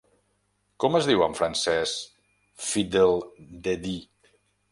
Com es diu en francès "fiddle-de-dee"?